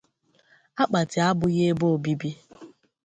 Akpati abụghị ebe obibi.